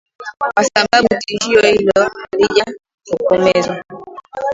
Kwa sababu tishio hilo halijatokomezwa.